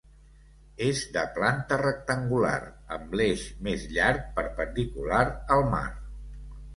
És de planta rectangular amb l'eix més llarg perpendicular al mar.